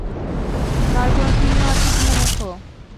তার কোন চিহ্ন আছে কিনা দেখো!